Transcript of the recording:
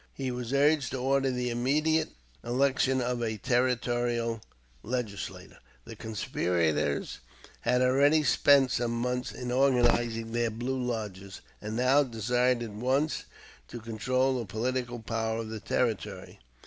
He was urged to order the immediate election of a territorial legislature. The conspirators had already spent some months in organizing their "Blue Lodges," and now desired at once to control the political power of the Territory.